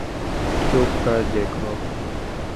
چکھ کر دیکھو